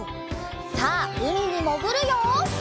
さあうみにもぐるよ！